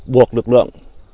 buộc lực lượng